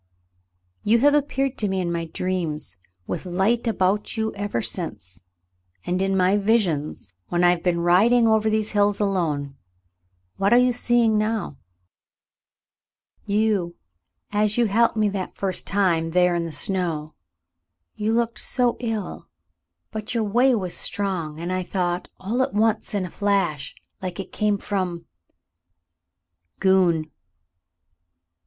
You have appeared to me in my dreams with light about you ever since, and in my visions when I have been riding over these hills alone. What are you seeing now ?" "You, as you helped me that first time, there in the snow. You looked so ill, but your way was strong, and I thought — all at once, in a flash — like it came from —" "Goon."